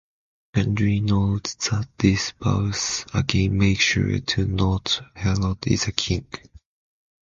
Gundry notes that this verse again makes sure to note Herod is a king.